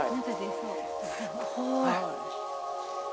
すごーい。